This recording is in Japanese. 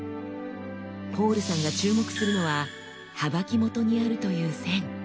ポールさんが注目するのはハバキ元にあるという線。